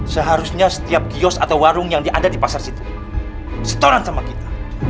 seharusnya setiap kios atau warung yang ada di pasar situ setoran sama kita